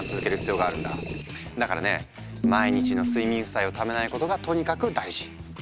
だからね毎日の睡眠負債をためないことがとにかく大事。